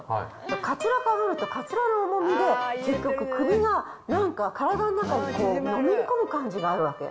かつらかぶるとかつらの重みで、結局、首が体の中にもぐり込む感じがあるわけ。